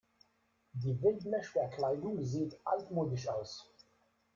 Die Wellblechverkleidung sieht altmodisch aus.